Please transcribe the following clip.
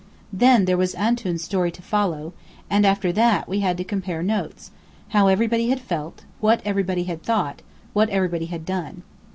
Then there was Antoun's story to follow; and after that we had to compare notes: how everybody had felt, what everybody had thought, what everybody had done.